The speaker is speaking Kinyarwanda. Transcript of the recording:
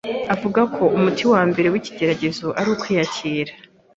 Avuga ko umuti wa mbere w’ikigeragezo ari Ukwiyakira